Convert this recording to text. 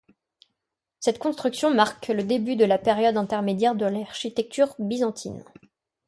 Cette construction marque le début de la période intermédiaire de l'architecture byzantine.